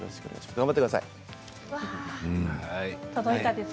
頑張ってください。